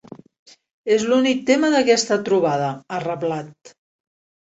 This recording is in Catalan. És l’únic tema d’aquesta trobada, ha reblat.